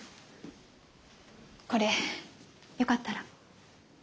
これよかったら。